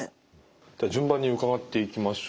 では順番に伺っていきましょう。